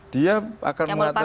dia akan mengatakan